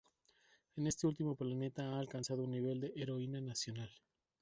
En este último planeta ha alcanzado un nivel de heroína nacional.